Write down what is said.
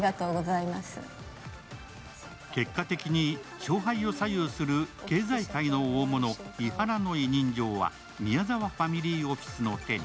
結果的に勝敗を左右する経済界の大物・伊原の委任状は宮沢ファミリーオフィスの手に。